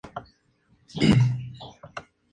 El autor del fuego pretendía esconder un robo.